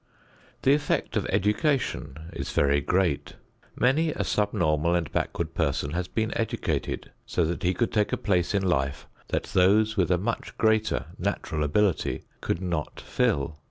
The effect of education is very great. Many a subnormal and backward person has been educated so he could take a place in life that those with a much greater natural ability could not fill.